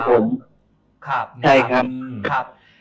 ใช่ครับ